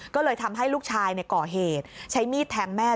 ก็เลยทำให้ลูกชายก่อเหตุใช้มีดแทงแม่